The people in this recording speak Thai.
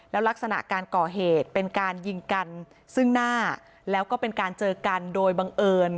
ลักษณะการก่อเหตุเป็นการยิงกันซึ่งหน้าแล้วก็เป็นการเจอกันโดยบังเอิญ